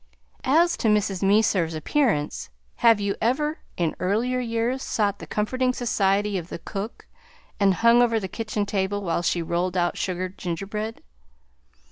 As to Mrs. Meserve's appearance, have you ever, in earlier years, sought the comforting society of the cook and hung over the kitchen table while she rolled out sugar gingerbread?